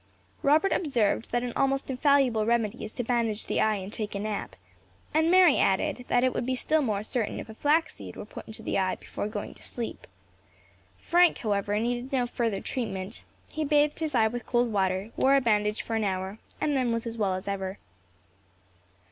Robert observed that an almost infallible remedy is to bandage the eye and take a nap; and Mary added, that it would be still more certain if a flaxseed were put into the eye before going to sleep. Frank, however, needed no further treatment; he bathed his eye with cold water, wore a bandage for an hour, and then was as well as ever.